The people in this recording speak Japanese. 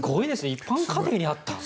一般家庭にあった。